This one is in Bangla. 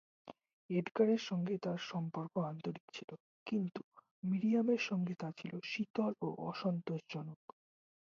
এডগারের সঙ্গে তার সম্পর্ক আন্তরিক ছিল কিন্তু মিরিয়ামের সঙ্গে তা ছিল শীতল ও অসন্তোষজনক।